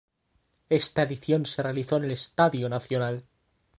Está edición se realizó en el Estadio Nacional.